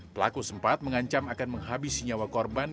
pelaku sempat mengancam akan menghabis sinyawa korban